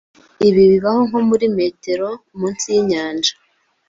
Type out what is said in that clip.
Ibi bibaho nko muri metero munsi yinyanja